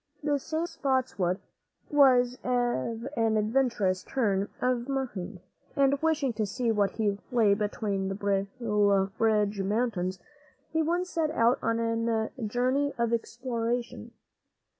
This same Spotswood was of an adventurous turn of mind, and wishing to see what lay beyond the Blue Ridge Mountains, he once set out on a journey of exploration.